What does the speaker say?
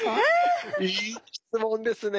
いい質問ですね。